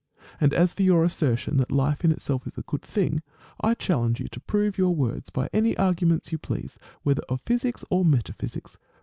And as for your assertion that life in itself is a good thing, I challenge you to prove your words by any arguments you please, whether of physics or metaphysics.